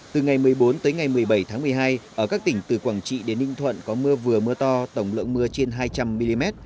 từ ngày một mươi bốn tới ngày một mươi bảy tháng một mươi hai ở các tỉnh từ quảng trị đến ninh thuận có mưa vừa mưa to tổng lượng mưa trên hai trăm linh mm